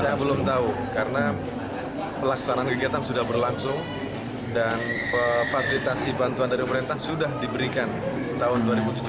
saya belum tahu karena pelaksanaan kegiatan sudah berlangsung dan fasilitasi bantuan dari pemerintah sudah diberikan tahun dua ribu tujuh belas